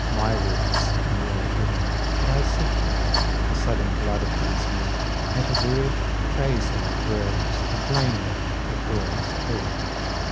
My works are nearer heaven, but I sit here. The sudden blood of these men! at a word Praise them, it boils, or blame them, it boils too.